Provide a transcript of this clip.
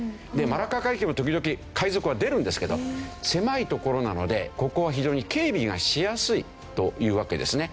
マラッカ海峡も時々海賊は出るんですけど狭い所なのでここは非常に警備がしやすいというわけですね。